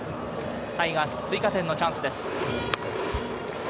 タイガース、追加点のチャンスです。